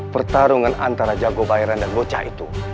pertarungan antara jago bayaran dan bocah itu